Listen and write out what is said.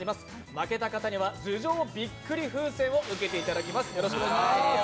負けた方には頭上びっくり風船を受けていただきます。